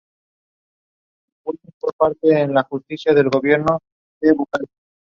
The death was considered unexpected and shocking.